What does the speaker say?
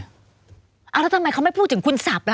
แล้วทำไมเขาไม่พูดถึงคุณสับล่ะ